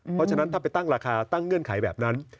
เพราะฉะนั้นถ้าไปตั้งราคาตั้งเงื่อนไขแบบนั้น